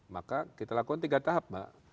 maka kita lakukan tiga tahap mbak